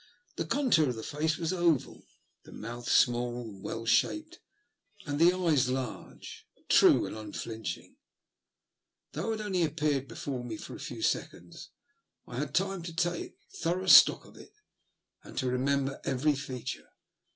The contour of the face was oval, the mouth small and well shaped, and the eyes large, true, THE LUST OP HATE. 98 and unflinching. Though it only appeared before me for a few seconds, I had time to take thorough stock of it, and to remember every feature.